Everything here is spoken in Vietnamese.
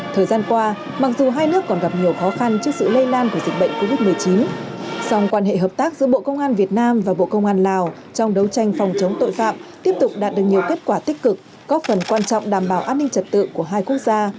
thời gian qua mặc dù hai nước còn gặp nhiều khó khăn trước sự lây lan của dịch bệnh covid một mươi chín song quan hệ hợp tác giữa bộ công an việt nam và bộ công an lào trong đấu tranh phòng chống tội phạm tiếp tục đạt được nhiều kết quả tích cực góp phần quan trọng đảm bảo an ninh trật tự của hai quốc gia